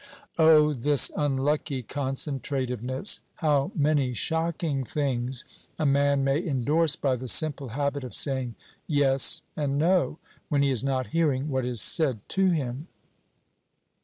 O, this unlucky concentrativeness! How many shocking things a man may indorse by the simple habit of saying "Yes" and "No," when he is not hearing what is said to him.